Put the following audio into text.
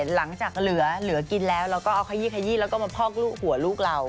หลังจากเหลือกินแล้วก็เอาขยี้แล้วก็มาพอกหัวลูกเรา